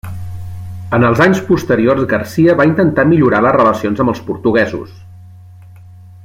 En els anys posteriors Garcia va intentar millorar les relacions amb els portuguesos.